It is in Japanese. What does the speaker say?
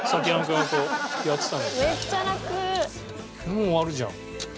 もう終わるじゃん。